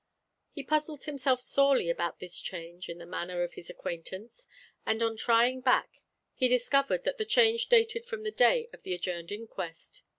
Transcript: He puzzled himself sorely about this change in the manner of his acquaintance; and on trying back he discovered that the change dated from the day of the adjourned inquest.